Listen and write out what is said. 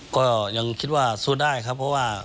ก็ยังคิดว่าสู้ได้ครับเพราะว่า